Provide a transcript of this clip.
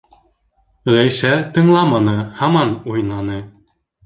Ғәйшә тыңламаны, һаман уйнаны.